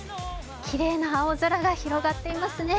きれいな青空が広がっていますね。